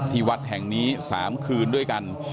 วัดแห่งนี้๓คืนด้วยกัน